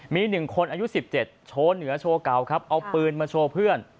มี๑คนอายุ๑๗โชว์เหนือโชว์เก่าครับเอาปืนมาโชว์เพื่อน